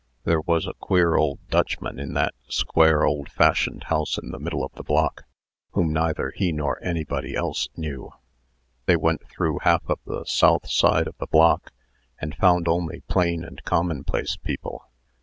There was a queer old Dutchman in that square, old fashioned house in the middle of the block, whom neither he nor anybody else knew. They went through half of the south side of the block, and found only plain and commonplace people.